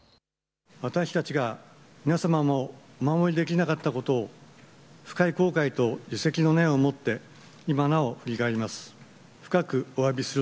私たちが皆様をお守りできなかったことを深い後悔と自責の念をもって今なお振り返ります。